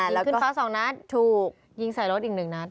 ยิงขึ้นฟ้าสองนัดถูกยิงใส่รถอีกหนึ่งนัด